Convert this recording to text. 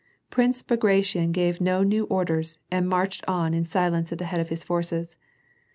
J Prince Bagration gave no new orders, and marched on m k silence at the head of his forces.